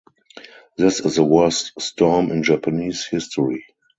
This is the worst storm in Japanese history.